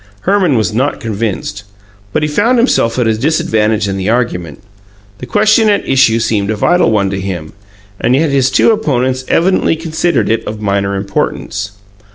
Herman was not convinced; but he found himself at a disadvantage in the argument. The question at issue seemed a vital one to him and yet his two opponents evidently considered it of minor importance.